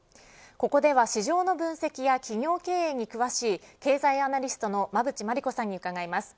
ここでは、市場の分析や企業経営に詳しい経済アナリストの馬渕磨理子さんに伺います。